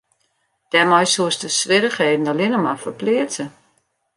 Dêrmei soest de swierrichheden allinne mar ferpleatse.